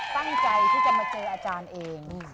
ตั้งใจที่จะมาเจออาจารย์เอง